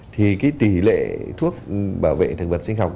thì cái tỷ lệ thuốc bảo vệ thực vật sinh học